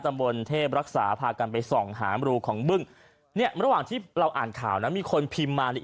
ที่บนเทพรักษากันไปส่องหามรูของบึ้งเนี่ยมาต่อมาที่เราอ่านข่าวนั้นมีคนพิมพ์มานะ